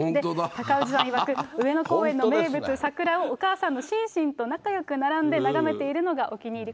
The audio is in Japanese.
高氏さんいわく、上野公園の名物、桜をお母さんのシンシンと仲よく並んで眺めているのがお気に入り。